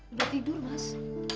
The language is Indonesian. udah tidur mas